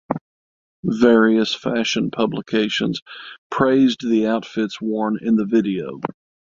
Various fashion publications praised the outfits worn in the video.